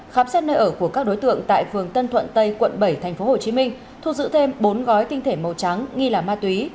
khám xét nơi ở của các đối tượng tại phường tân thuận tây quận bảy tp hcm thu giữ thêm bốn gói tinh thể màu trắng nghi là ma túy